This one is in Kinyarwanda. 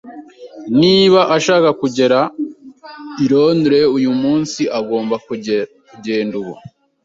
Niba ashaka kugera i Londres uyu munsi, agomba kugenda ubu.